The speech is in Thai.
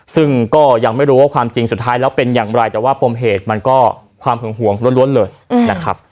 ซึ่งก็ยังไม่รู้ว่าความจริงสุดท้ายแล้วเป็นอย่างไรแต่ว่าปมเหตุมันก็ความหึงห่วงล้วนเลยนะครับ